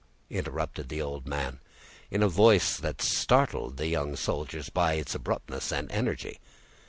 interrupted the old man, in a voice that startled the young soldiers by its abruptness and energy.